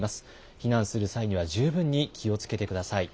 避難する際には十分に気をつけてください。